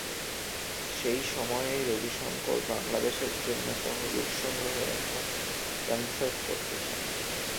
সেই সময়েই রবিশঙ্কর বাংলাদেশের জন্য তহবিল সংগ্রহে একটি কনসার্ট করতে চান।